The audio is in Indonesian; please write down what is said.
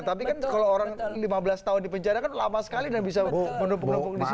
tapi kan kalau orang lima belas tahun di penjara kan lama sekali dan bisa menumpuk numpuk di situ